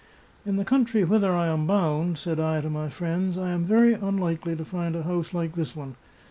" In the country whither I am bound," said I to my friends, " I am very unlikely to find a house like this one.